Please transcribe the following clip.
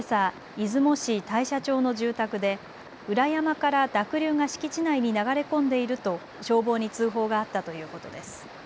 出雲市大社町の住宅で裏山から濁流が敷地内に流れ込んでいると消防に通報があったということです。